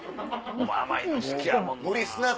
お前甘いの好きやもんな。